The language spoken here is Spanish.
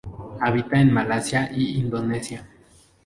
Habita en Malasia y Indonesia.